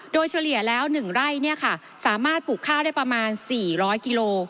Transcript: โดยเฉลี่ยแล้วหนึ่งไร่เนี้ยค่ะสามารถปลูกข้าวได้ประมาณสี่ร้อยกิโล